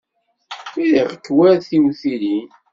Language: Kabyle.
Riɣ-k war tiwtilin.